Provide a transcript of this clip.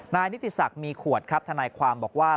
นิติศักดิ์มีขวดครับทนายความบอกว่า